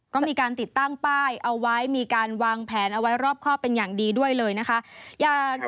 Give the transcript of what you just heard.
ก็มีการติดตั้งป้ายเอาไว้มีการวางแผนเอาไว้รอบครอบเป็นอย่างดีด้วยเลยนะคะ